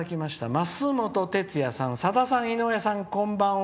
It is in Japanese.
ますもとてつやさん「さださん井上さんこんばんは」。